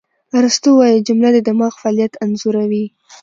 ارسطو وایي، جمله د دماغ فعالیت انځوروي.